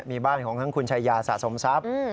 มีบ้านของทั้งคุณชายาสะสมทรัพย์